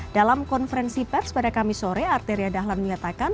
dalam konferensi pers pada kamis sore arteria dahlan menyatakan